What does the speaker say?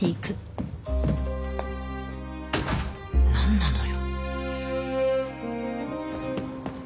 何なのよ。